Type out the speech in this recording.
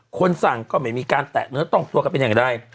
คนสั่งก็ไม่มีการแตะเนื้อต้องตัวกันเป็นอย่างใด